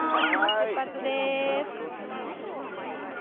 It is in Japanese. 出発です。